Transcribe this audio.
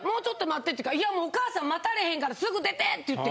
「いやもうお母さん待たれへんからすぐ出て！」って言って。